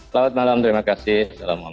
selamat malam terima kasih